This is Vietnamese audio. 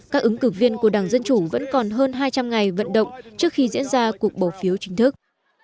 các ứng cử viên của đảng dân chủ vẫn còn hơn hai trăm linh ngày vận động trước khi diễn ra cuộc bầu phiếu chính thức